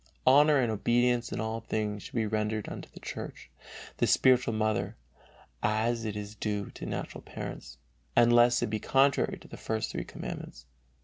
Honor and obedience in all things should be rendered unto the Church, the spiritual mother, as it is due to natural parents, unless it be contrary to the first Three Commandments.